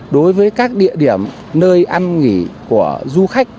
đối với các địa điểm nơi ăn nghỉ của du khách